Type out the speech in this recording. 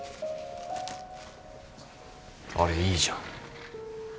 あれいいじゃん。